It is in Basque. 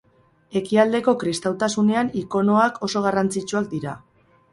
Ekialdeko kristautasunean ikonoak oso garrantzitsuak dira.